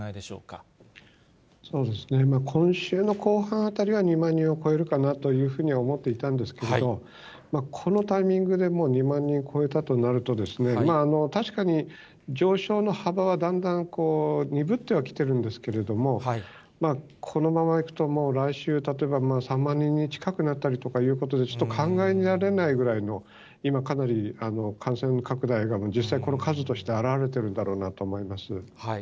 そうですね、今週の後半あたりは２万人を超えるかなというふうに思っていたんですけれども、このタイミングでもう２万人を超えたとなると、確かに、上昇の幅はだんだん鈍ってはきてるんですけれども、このままいくともう来週、例えば３万人に近くなったりとかいうことですと、考えられないぐらいの、今、かなり感染拡大が実際この数として表れてるんだろうなと思います。